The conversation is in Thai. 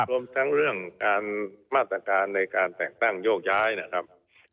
รวมทั้งเรื่องการมาตรการในการแต่งตั้งโยกย้ายนะครับ